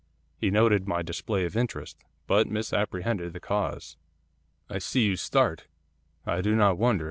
He noted my display of interest, but misapprehended the cause. 'I see you start, I do not wonder.